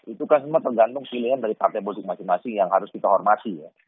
itu kan semua tergantung pilihan dari partai politik masing masing yang harus kita hormati ya